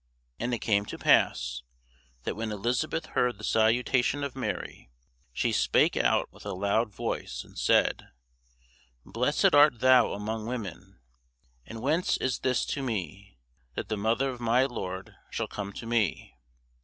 And it came to pass, that when Elisabeth heard the salutation of Mary, she spake out with a loud voice, and said, Blessed art thou among women. And whence is this to me, that the mother of my Lord should come to me?